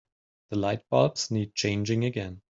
The lightbulbs need changing again.